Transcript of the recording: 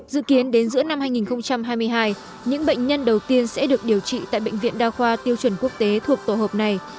dự kiến đến giữa năm hai nghìn hai mươi hai những bệnh nhân đầu tiên sẽ được điều trị tại bệnh viện đa khoa tiêu chuẩn quốc tế thuộc tổ hợp này